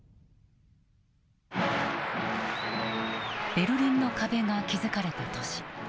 ベルリンの壁が築かれた年。